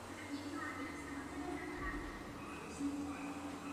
Jugoslávská vláda sestavila pro vyšetření problému speciální komisi.